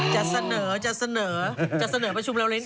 จะเสนอประชุมแล้วใน๒๐๐๐๐ล้านนะ